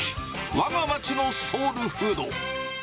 わが町のソウルフード。